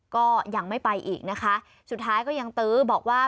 ก็ยังไม่ไปอีกนะคะสุดท้ายก็ยังตื้อบอกว่า